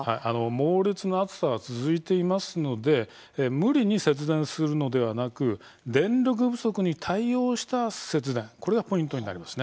猛烈な暑さは続いていますので無理に節電するのではなく電力不足に対応した節電これがポイントになります。